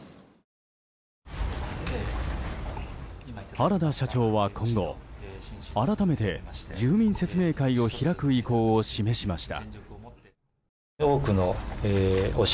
原田社長は今後改めて住民説明会を開く意向を説明しました。